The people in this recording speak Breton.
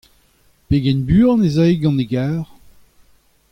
Pegen buan ez ae gant e garr ?